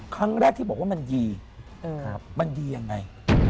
ครั้งแรกที่บอกว่ามันดีมันดียังไง